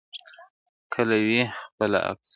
كله وي خپه اكثر~